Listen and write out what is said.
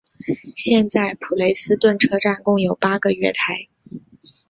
现在普雷斯顿车站共有八个月台。